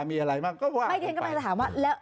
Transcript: จะมีอะไรบ้างก็ว่าก็ไป